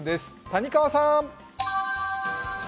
谷川さん。